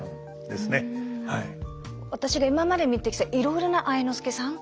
私が今まで見てきたいろいろな愛之助さん。